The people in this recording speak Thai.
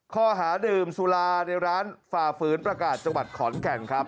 ข้อหาดื่มสุราในร้านฝ่าฝืนประกาศจังหวัดขอนแก่นครับ